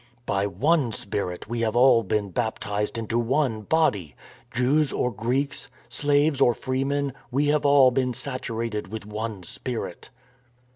" By one Spirit we have all been baptized unto one Body — ^Jews or Greeks, slaves or freemen; we have all been saturated with one Spirit."